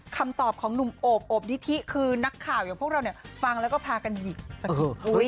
คำตอบของหนุ่มโอบโอบนิทิคือนักข่าวเหมือนพวกเราฟังแล้วก็พากันหยิกสักอย่าง